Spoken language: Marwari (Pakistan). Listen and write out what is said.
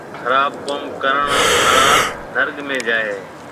خراب ڪوم ڪرڻ آݪا نرگ ۾ جائي هيَ۔